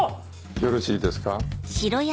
よろしいですか？